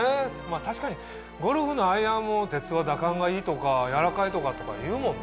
確かにゴルフのアイアンも鉄は打感がいいとかやわらかいとかいうもんね。